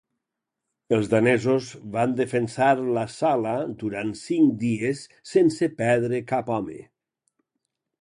Els danesos van defensar la sala durant cinc dies sense perdre cap home.